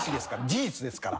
事実ですから。